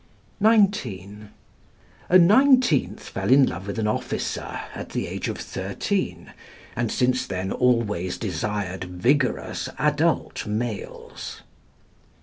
(19) A nineteenth fell in love with an officer at the age of thirteen, and since then always desired vigorous adult males.